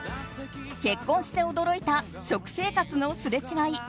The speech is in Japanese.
結婚して驚いた食生活のすれ違い